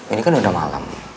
ini kan udah malam